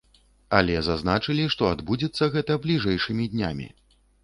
Але зазначылі, што адбудзецца гэта бліжэйшымі днямі.